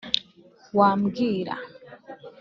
Wambwira